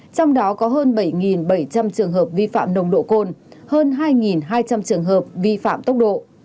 trong đó có hơn bảy bảy trăm linh trường hợp vi phạm nồng độ cồn hơn hai hai trăm linh trường hợp vi phạm tốc độ